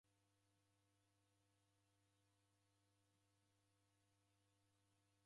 W'andu w'echinja w'adunga maghanga kuw'ika nyama kwa ngelo ndacha.